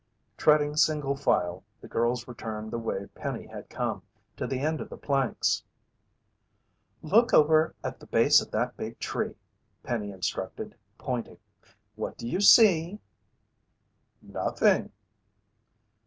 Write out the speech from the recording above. Treading single file, the girls returned the way Penny had come, to the end of the planks. "Look over at the base of that big tree," Penny instructed, pointing. "What do you see?" "Nothing."